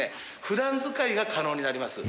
普段使いが可能になります。